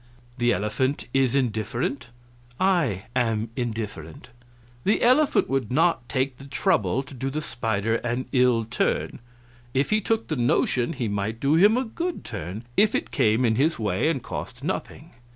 The elephant is indifferent; I am indifferent. The elephant would not take the trouble to do the spider an ill turn; if he took the notion he might do him a good turn, if it came in his way and cost nothing.